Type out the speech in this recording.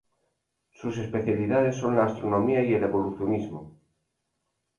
Sus especialidades son la Astronomía y el evolucionismo.